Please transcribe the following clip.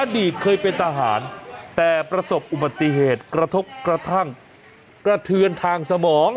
อดีตเคยเป็นทหารแต่ประสบอุบัติเหตุกระทบกระทั่งกระเทือนทางสมอง